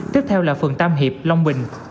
tiếp theo là phường tam hiệp long bình